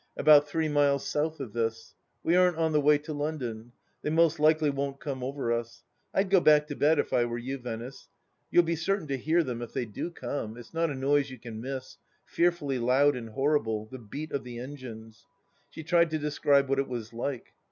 " About three miles south of this. We aren't on the way to London. They most likely won't come over us. I'd go back to bed, if I were you, Venice. You'll be certain to hear Them if They do come. It's not a noise you can miss. Fearfully loud and horrible — ^the beat of the engines. ..." She tried to describe what it was like.